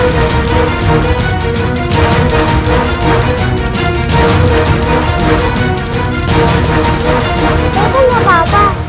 bapak ibu apa apa